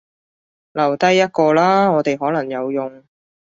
留低一個啦，我哋可能有用